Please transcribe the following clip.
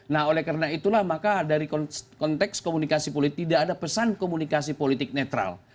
nah oleh karena itulah maka dari konteks komunikasi politik tidak ada pesan komunikasi politik netral